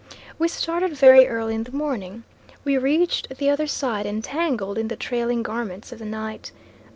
We started very early in the morning. We reached the other side entangled in the trailing garments of the night.